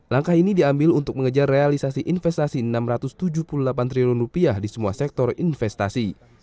langkah ini diambil untuk mengejar realisasi investasi rp enam ratus tujuh puluh delapan triliun di semua sektor investasi